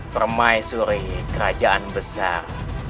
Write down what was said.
bermai suri kerajaan besar